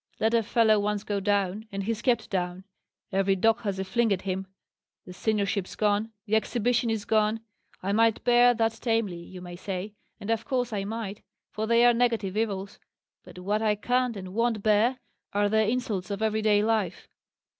Let a fellow once go down, and he's kept down: every dog has a fling at him. The seniorship's gone, the exhibition is going. I might bear that tamely, you may say; and of course I might, for they are negative evils; but what I can't and won't bear, are the insults of every day life.